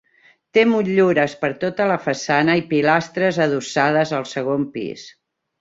Té motllures per tota la façana i pilastres adossades al segon pis.